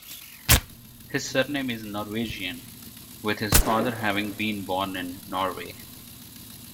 His surname is Norwegian, with his father having been born in Norway.